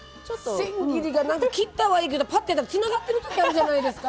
千切りが切ったはいいけどつながってる時あるじゃないですか。